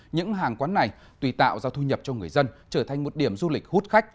những hàng quán này tùy tạo ra thu nhập cho người dân trở thành một điểm du lịch hút khách